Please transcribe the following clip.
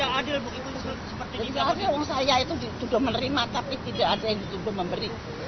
karena saya itu dituduh menerima tapi tidak ada yang dituduh memberi